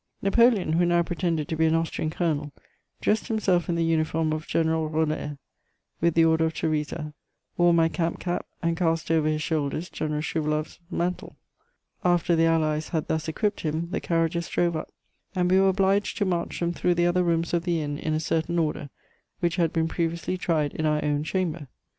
"Napoleon, who now pretended to be an Austrian colonel, dressed himself in the uniform of General Roller, with the Order of Theresa, wore my camp cap, and cast over his shoulders General Schouwaloff's mantle. After the Allies had thus equipped him, the carriages drove up, and we were obliged to march them through the other rooms of the inn in a certain order, which had been previously tried in our own chamber.